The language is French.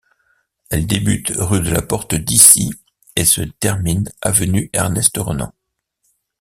Elle débute rue de la Porte-d’Issy et se termine avenue Ernest-Renan.